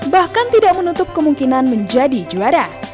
bahkan tidak menutup kemungkinan menjadi juara